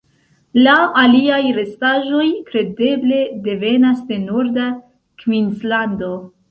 La aliaj restaĵoj kredeble devenas de norda Kvinslando.